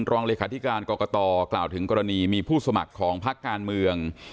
รองเลขาธิการกรกตกล่าวถึงกรณีมีผู้สมัครของพักการเมือง